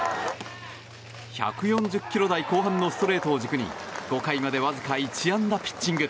１４０キロ台後半のストレートを軸に５回までわずか１安打ピッチング。